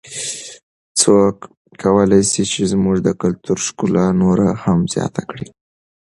څوک کولای سي چې زموږ د کلتور ښکلا نوره هم زیاته کړي؟